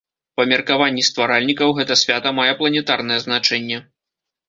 Па меркаванні стваральнікаў, гэта свята мае планетарнае значэнне.